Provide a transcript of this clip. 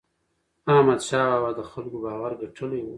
احمدشاه بابا د خلکو باور ګټلی و.